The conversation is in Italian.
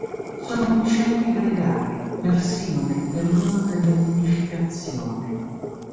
Sono uccelli gregari, persino nel periodo della nidificazione.